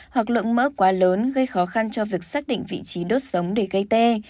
hoặc lượng mỡ quá lớn gây khó khăn cho việc xác định vị trí đốt sống để gây tê